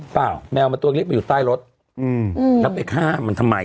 เปล่าแมวมันตัวเล็กไปอยู่ใต้รถแล้วไปฆ่ามันทำไม